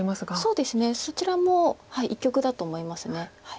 そうですねそちらも一局だと思います。